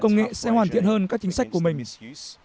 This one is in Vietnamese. công nghệ sẽ hoàn thiện hơn các chính sách của mình